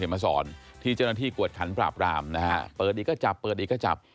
มาสอนที่เจ้าหน้าที่กวดขันปราบรามนะฮะเปิดอีกก็จับเปิดอีกก็จับ